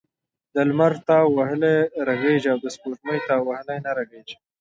د لمر تاو وهلی رغیږي او دسپوږمۍ تاو وهلی نه رغیږی .